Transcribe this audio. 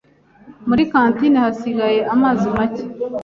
Muri kantine hasigaye amazi make